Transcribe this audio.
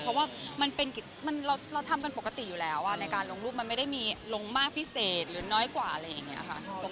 เพราะว่ามันเป็นเราทำกันปกติอยู่แล้วในการลงรูปมันไม่ได้มีลงมากพิเศษหรือน้อยกว่าอะไรอย่างนี้ค่ะ